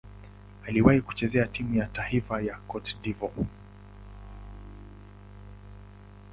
Aliwahi kucheza timu ya taifa ya Cote d'Ivoire.